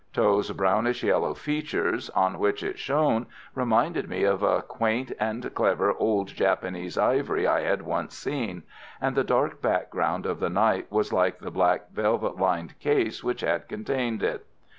Tho's brownish yellow features, on which it shone, reminded me of a quaint and clever old Japanese ivory I had once seen; and the dark background of the night was like the black velvet lined case which had contained it.